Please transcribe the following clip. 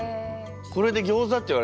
これでギョーザって言われた時あ